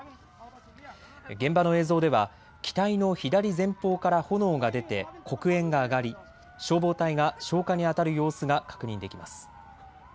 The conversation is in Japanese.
現場の映像では機体の左前方から炎が出て黒煙が上がり消防隊が消火にあたる様子が確認できます。